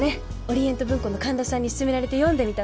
オリエント文庫の神田さんに薦められて読んでみたの。